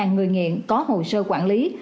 ba người nghiện có hồ sơ quản lý